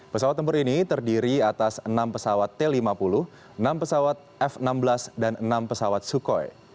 pesawat tempur ini terdiri atas enam pesawat t lima puluh enam pesawat f enam belas dan enam pesawat sukhoi